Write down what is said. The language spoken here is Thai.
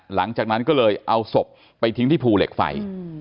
หลังจากนั้นก็เลยเอาศพไปทิ้งที่ภูเหล็กไฟ